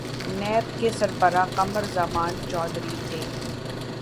NAB کے سربراہ قمر زمان چوہدری تھے۔